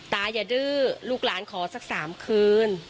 ตาอย่าที่ดื้อลูกหลานขอสักสามคืน